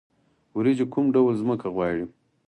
وریجې کوم ډول ځمکه غواړي؟